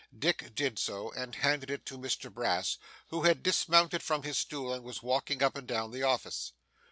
Dick did so, and handed it to Mr Brass, who had dismounted from his stool, and was walking up and down the office.